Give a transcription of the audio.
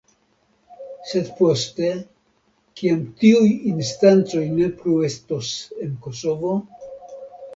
Sed poste, kiam tiuj instancoj ne plu estos en Kosovo?